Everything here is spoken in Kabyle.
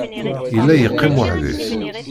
Yella yeqqim weḥd-s.